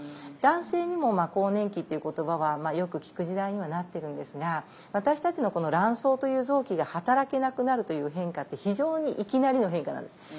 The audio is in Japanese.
男性にも更年期っていう言葉はよく聞く時代にはなってるんですが私たちの卵巣という臓器が働けなくなるという変化って非常にいきなりの変化なんです。